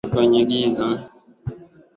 i tu watoe ushahidi dhidi yake ruto